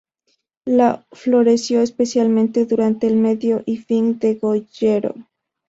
Lo floreció especialmente durante el medio y fin de Goryeo.